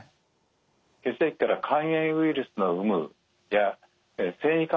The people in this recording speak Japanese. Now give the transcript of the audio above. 血液から肝炎ウイルスなどの有無や線維化